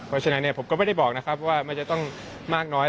เพราะฉะนั้นผมก็ไม่ได้บอกนะครับว่ามันจะต้องมากน้อย